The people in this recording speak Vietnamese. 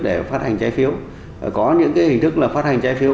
để phát hành trái phiếu có những hình thức phát hành trái phiếu